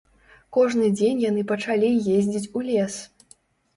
Кожны дзень яны пачалі ездзіць у лес.